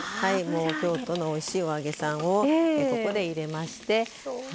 京都のおいしいお揚げさんを、ここで入れまして。